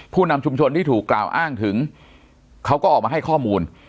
นำชุมชนที่ถูกกล่าวอ้างถึงเขาก็ออกมาให้ข้อมูล